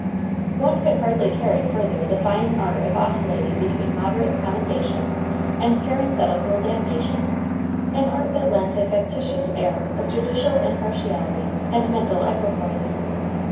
One could hardly carry further the fine art of oscillating between moderate commendation and parenthetical damnation an art that lends a factitious air of judicial impartiality and mental equipoise.